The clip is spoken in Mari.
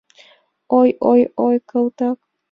«Ой-ой-ой, калтак!..